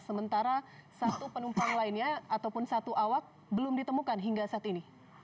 sementara satu penumpang lainnya ataupun satu awak belum ditemukan hingga saat ini